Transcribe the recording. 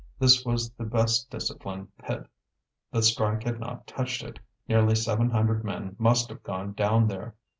This was the best disciplined pit. The strike had not touched it, nearly seven hundred men must have gone down there.